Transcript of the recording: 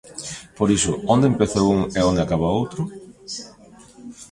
Por iso, onde empeza un e onde acaba o outro?